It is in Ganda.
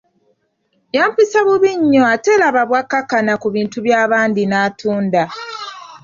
Yampisa bubi nnyo ate laba bw'akkakkana ku bintu byabandi n'atunda.